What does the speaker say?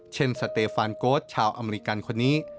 สเตฟานโก๊สชาวอเมริกันคนนี้